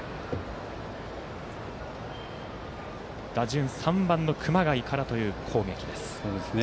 打順３番の熊谷からという攻撃。